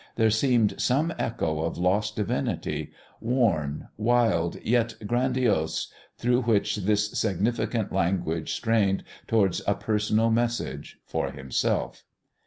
There seemed some echo of lost divinity, worn, wild yet grandiose, through which this significant language strained towards a personal message for himself.